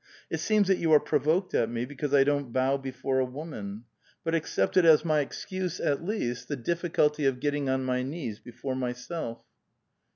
" It seems that you are provoked at me because I don't bow before a woman. But accept as my excuse at least the difficulty of getting on my knees before myself."